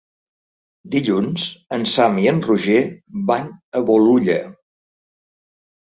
Dilluns en Sam i en Roger van a Bolulla.